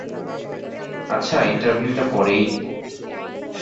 আচ্ছা, ইন্টারভিউটা পরেই নিবো।